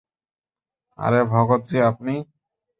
আরে ভগত জি আপনি?